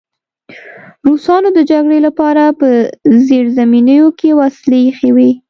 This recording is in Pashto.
روسانو د جګړې لپاره په زیرزمینیو کې وسلې ایښې وې